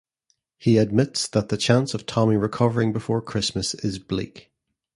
He admits that the chance of Tommy recovering before Christmas is bleak.